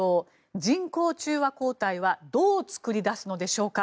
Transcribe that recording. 人工中和抗体はどう作り出すのでしょうか。